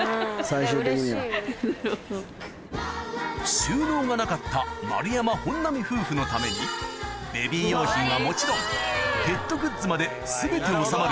収納がなかった丸山・本並夫婦のためにベビー用品はもちろんペットグッズまで全て収まる